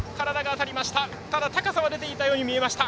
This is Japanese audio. ただ高さは出ていたように見えました。